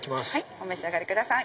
お召し上がりください。